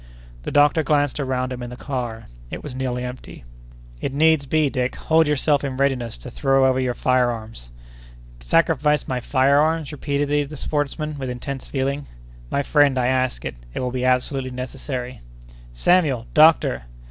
The doctor glanced around him in the car. It was nearly empty. "If needs be, Dick, hold yourself in readiness to throw over your fire arms!" "Sacrifice my fire arms?" repeated the sportsman, with intense feeling. "My friend, I ask it; it will be absolutely necessary!" "Samuel! Doctor!"